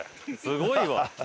すごいわ。